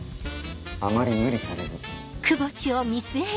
あまり無理されず。